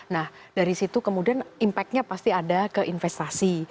nah dari situ kemudian impactnya pasti ada ke investasi